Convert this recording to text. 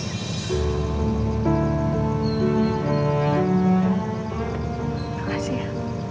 terima kasih ya